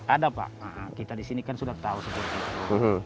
ada pak kita di sini kan sudah tahu seperti itu